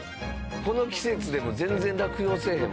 この季節でも全然落葉せえへんもんな。